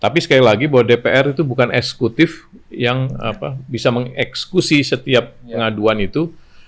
tapi sekali lagi bahwa dpr itu bukan eksekutif yang bisa mengeksekusi setiap pengaduan itu